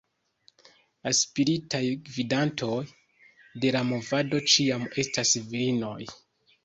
La "spiritaj gvidantoj" de la movado ĉiam estas virinoj.